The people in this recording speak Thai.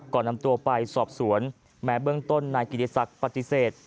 ก่อนนำตัวไปสอบสวนแม้เบื้องต้นนายกิติศักดิ์ปฏิเสธ